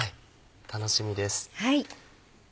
楽しみです。